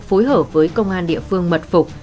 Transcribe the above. phối hợp với công an địa phương mật phục